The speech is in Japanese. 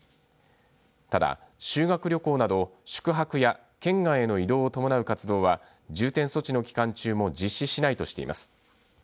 ただ、修学旅行など宿泊や県外への移動を伴う活動は重点措置の期間中も実施しないとしています。